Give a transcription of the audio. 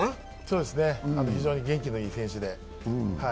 そうですね、非常に元気のいい選手で。